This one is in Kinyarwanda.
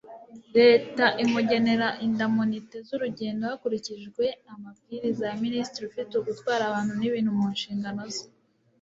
leta imugenera indamunite z'urugendo hakurikijwe amabwiriza ya minisitiri ufite gutwara abantu n'ibintu mu nshingano ze